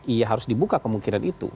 iya harus dibuka kemungkinan itu